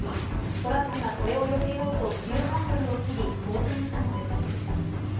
トラックがそれをよけようと急ハンドルを切り、横転したのです。